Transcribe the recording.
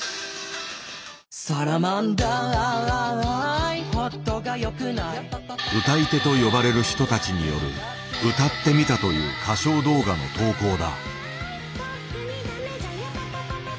「サラマンダーホットが良くない？」「歌い手」と呼ばれる人たちによる「歌ってみた」という歌唱動画の投稿だ。